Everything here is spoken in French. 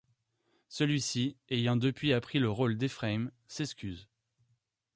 Celui-ci, ayant depuis appris le rôle d'Efraim, s'excuse.